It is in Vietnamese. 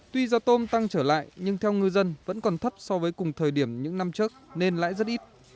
tuy do tôm tăng trở lại nhưng theo ngư dân vẫn còn thấp so với cùng thời điểm những năm trước nên lại rất ít